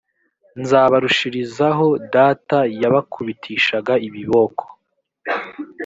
nzabarushirizaho data yabakubitishaga ibiboko